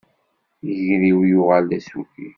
Iger-iw yuɣal d asuki